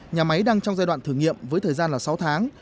nhà máy đang trong giai đoạn thử nghiệm với thời gian là sáu tháng